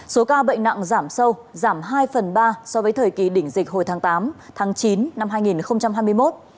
số ca bệnh nặng giảm sâu giảm hai phần ba so với thời kỳ đỉnh dịch hồi tháng tám tháng chín năm hai nghìn hai mươi một